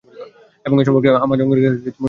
এবং এ সম্পর্কে আমার অঙ্গীকার কি তোমরা গ্রহণ করলে?